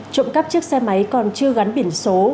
trộm cắp chiếc xe máy còn chưa gắn biển số